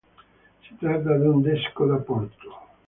Si tratta di un desco da parto.